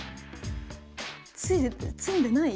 詰んでない？